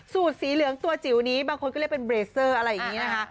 สีเหลืองตัวจิ๋วนี้บางคนก็เรียกเป็นเบรเซอร์อะไรอย่างนี้นะคะ